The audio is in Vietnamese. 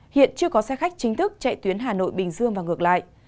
hiện chưa có xe khách chính thức chạy tuyến hà nội bình dương và ngược lại